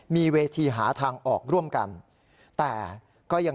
มีเวทีหาทางออกร่วมกัน